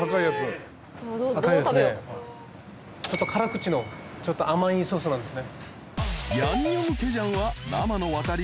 ちょっと辛口のちょっと甘いソースなんですね。